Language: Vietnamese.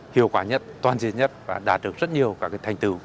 hiệu quả nhất toàn diện nhất và đạt được rất nhiều các thành tựu